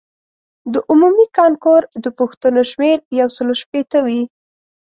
د عمومي کانکور د پوښتنو شمېر یو سلو شپیته وي.